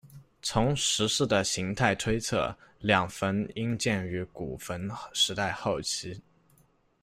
从石室的形态推测，两坟应建于古坟时代后期。